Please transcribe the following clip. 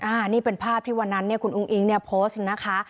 อันนี้เป็นภาพที่วันนั้นเนี่ยคุณอุ้งอิ๊งเนี่ยโพสต์นะคะ